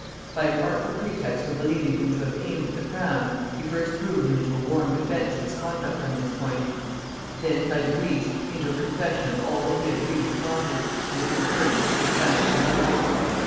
By an artful pretext of believing him to have aimed at the crown, he first drew him into a warm defence of his conduct on this point; then by degrees into a confession of all that he had really plotted, and the concurrence which he had found from others.